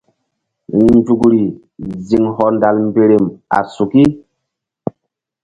Nzukri ziŋ hɔndal mberem a suki.